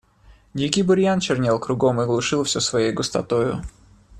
Дикий бурьян чернел кругом и глушил всё своею густотою.